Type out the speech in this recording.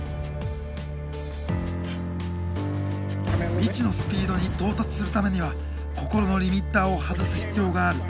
未知のスピードに到達するためには心のリミッターを外す必要がある。